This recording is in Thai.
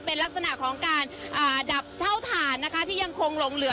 เป็นลักษณะของการดับเท่าฐานนะคะที่ยังคงหลงเหลือ